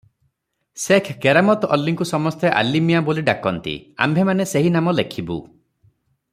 ସେଖ କେରାମତ୍ ଅଲିଙ୍କୁ ସମସ୍ତେ ଆଲିମିଆଁ ବୋଲି ଡାକନ୍ତି, ଆମ୍ଭେମାନେ ସେହି ନାମ ଲେଖିବୁ ।